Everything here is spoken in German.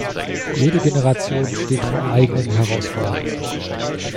Jede Generation steht vor eigenen Herausforderungen.